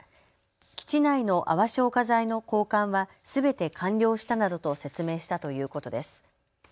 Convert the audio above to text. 基地内の泡消火剤の交換はすべて完了したなどと説明したということです。